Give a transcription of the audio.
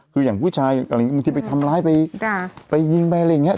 คืออย่างผู้ชายอะไรอย่างนี้บางทีไปทำร้ายไปยิงไปอะไรอย่างนี้